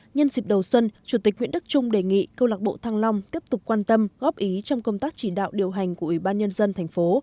nhân dịp đầu xuân chủ tịch nguyễn đức trung đề nghị câu lạc bộ thăng long tiếp tục quan tâm góp ý trong công tác chỉ đạo điều hành của ubnd tp